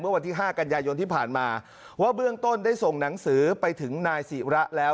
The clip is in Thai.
วันที่๕กันยายนที่ผ่านมาว่าเบื้องต้นได้ส่งหนังสือไปถึงนายศิระแล้ว